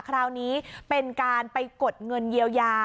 คราวนี้เป็นการไปกดเงินเยียวยา